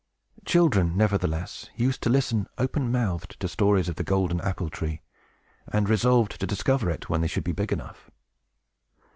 Children, nevertheless, used to listen, open mouthed, to stories of the golden apple tree, and resolved to discover it, when they should be big enough.